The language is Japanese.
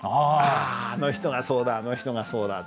ああの人がそうだあの人がそうだって。